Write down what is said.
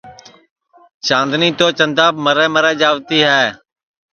چاندنی تو چنداپ مرے مرے جاوتی ہے